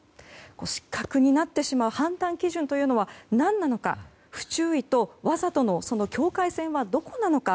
失格になってしまう判断基準というのは何なのか不注意とわざとの境界線はどこなのか。